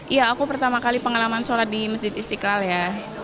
iya aku pertama kali pengalaman sholat di masjid istiqlal ya